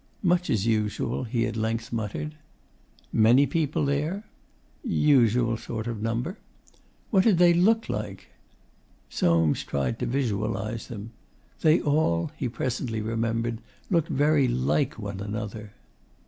'Much as usual,' he at length muttered. 'Many people there?' 'Usual sort of number.' 'What did they look like?' Soames tried to visualise them. 'They all,' he presently remembered, 'looked very like one another.